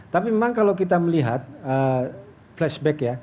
tapi memang kalau kita melihat flashback ya